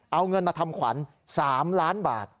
เอาเงินมาทำขวัญ๓ล้านบาท